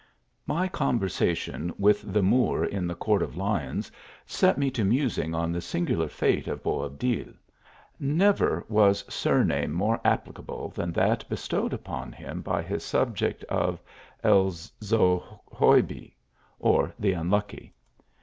MY conversation with the Moor in the Court of Lions set me to musing on the singular fate of Bo .ibdil. Never was surname more applicable than that bestowed upon him by his subjects, of " El Zogoybi," or, " the unlucky."